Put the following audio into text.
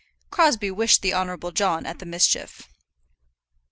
Crosbie wished the Honourable John at the mischief.